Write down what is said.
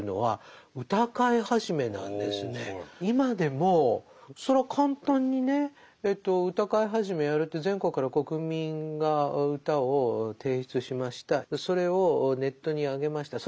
今でもそれは簡単にね歌会始やるって全国から国民が歌を提出しましたそれをネットにあげました。